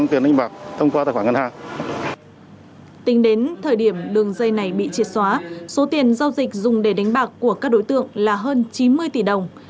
tính đến thời điểm đường dây này bị triệt xóa số tiền giao dịch dùng để đánh bạc của các đối tượng là hơn chín mươi tỷ đồng